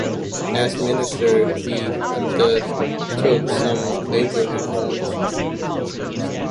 As Minister he undertook some major reforms.